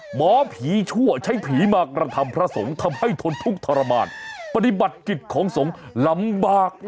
หมอผีชั่วใช้ผีมากระทำพระสงฆ์ทำให้ทนทุกข์ทรมานปฏิบัติกิจของสงฆ์ลำบาก